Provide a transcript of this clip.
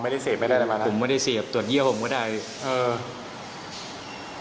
ไม่ได้เสพไม่ได้อะไรมาแล้วผมไม่ได้เสพตรวจเยื่อผมก็ได้เออ